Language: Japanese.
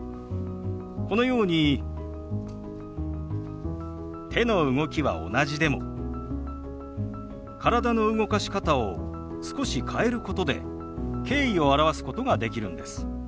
このように手の動きは同じでも体の動かし方を少し変えることで敬意を表すことができるんです。